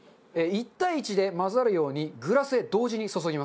１対１で混ざるようにグラスへ同時に注ぎます。